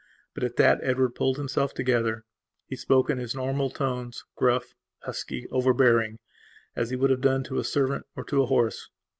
But, at that Edward pulled himself together. He spoke in his normal tones; gruff, husky, overbearing, as he would have done to a servant or to a horse.